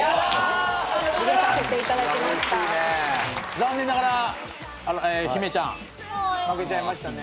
残念ながらヒメちゃん負けちゃいましたね。